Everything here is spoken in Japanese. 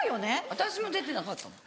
私も出てなかったもん。